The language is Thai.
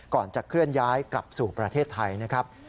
ก่อนจะเคลื่อนย้ายกลับสู่ประเทศไทยนะครับ